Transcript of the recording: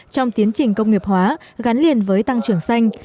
trong tiến trình công nghiệp hóa gắn liền với tăng trưởng xanh